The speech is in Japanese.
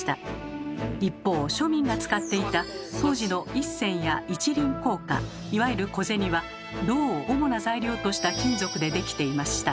一方庶民が使っていた当時の一銭や一厘硬貨いわゆる小銭は銅を主な材料とした金属で出来ていました。